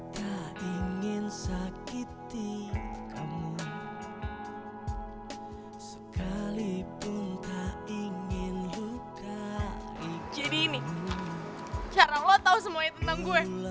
jadi ini cara lo tau semuanya tentang gue